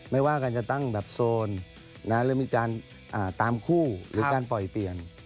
ไม่ว่าการจะตั้งแบบโซนหรือมีการตามคู่หรือการปล่อยเปลี่ยน